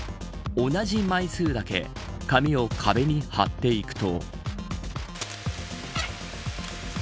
同じ枚数だけ紙を壁に貼っていくと。